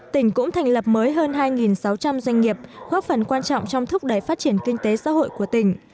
tỉnh cũng thành lập mới hơn hai sáu trăm linh doanh nghiệp góp phần quan trọng trong thúc đẩy phát triển kinh tế xã hội của tỉnh